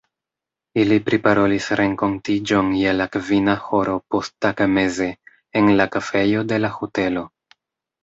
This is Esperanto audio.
Ili priparolis renkontiĝon je la kvina horo posttagmeze en la kafejo de la hotelo.